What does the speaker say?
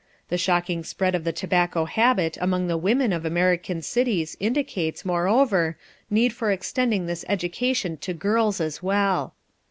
The shocking spread of the tobacco habit among the women of American cities indicates, moreover, need for extending this instruction to girls as well.